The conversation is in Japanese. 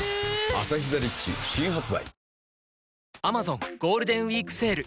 「アサヒザ・リッチ」新発売